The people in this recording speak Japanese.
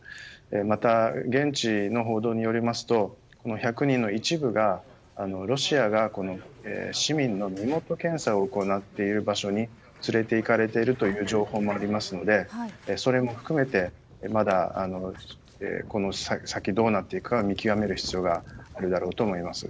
また、現地の報道によりますと１００人の一部がロシアが市民の身元検査を行っている場所に連れていかれているという情報もありますのでそれも含めてまだこの先、どうなっていくか見極める必要があるだろうと思います。